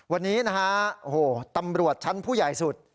วันนี้นะฮะโอ้โหตำรวจชั้นผู้ใหญ่สุด